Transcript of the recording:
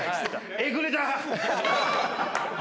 えぐれた。